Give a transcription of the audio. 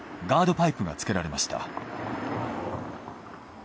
パイプがつけられました。